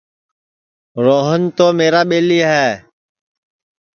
روہن تو میرا ٻیلی ہے